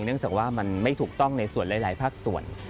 เนื่องจากว่ามันไม่ถูกต้องในส่วนหลายภาคส่วน